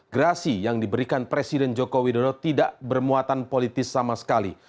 gerasi yang diberikan presiden joko widodo tidak bermuatan politis sama sekali